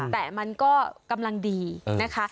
แต่มันก็กำลังดีนะคะ